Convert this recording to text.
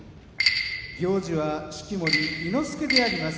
行司は式守伊之助であります。